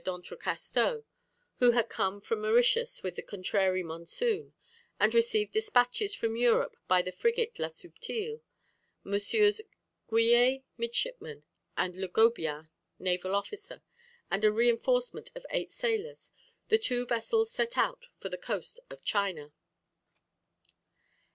d'Entrecasteaux, who had come from Mauritius with the contrary monsoon, and received despatches from Europe by the frigate La Subtile, MM. Guyet, midshipman, and Le Gobien, naval officer, and a reinforcement of eight sailors the two vessels set out for the coast of China.